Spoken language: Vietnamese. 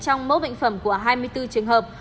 trong mẫu bệnh phẩm của hai mươi bốn trường hợp